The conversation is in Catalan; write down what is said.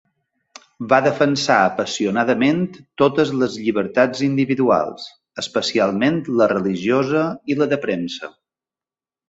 Va defensar apassionadament totes les llibertats individuals, especialment la religiosa i la de premsa.